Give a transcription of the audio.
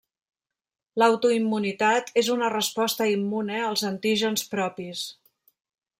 L'autoimmunitat és una resposta immune als antígens propis.